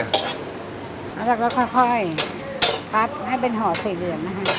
แล้วเราก็ค่อยพับให้เป็นห่อสีเหลืองนะคะ